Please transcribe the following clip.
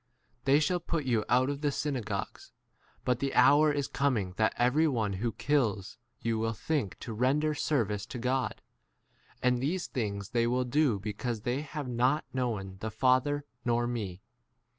e They shall put you out of the synagogues ; but the hour is coming that every one who kills you will think to render service to 3 God ; and these things they will do f because they have not known 4 the Father nor me.